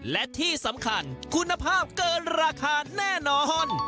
และที่สำคัญคุณภาพเกินราคาแน่นอน